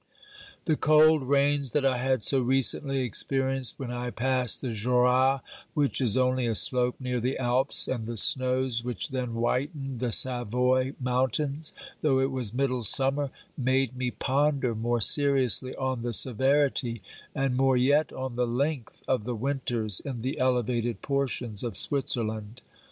The cold rains that I had so recently experienced when I passed the Jorat, which is only a slope near the Alps, and the snows which then whitened the Savoy mountains, OBERMANN 31 though it was middle summer, made me ponder more seriously on the severity, and more yet on the length of the winters in the elevated portions of Switzerland.